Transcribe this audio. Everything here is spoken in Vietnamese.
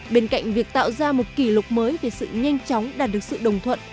bên cạnh việc tạo ra một kỷ lục mới về sự nhanh chóng đạt được sự đồng thuận